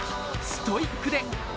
ストイックで。